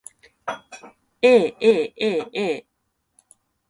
aaaa